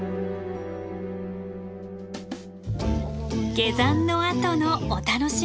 下山のあとのお楽しみ。